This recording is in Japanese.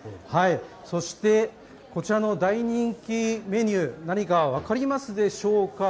そしてこちらの大人気メニュー、何か分かりますでしょうか。